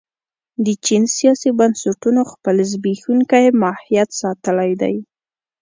د چین سیاسي بنسټونو خپل زبېښونکی ماهیت ساتلی دی.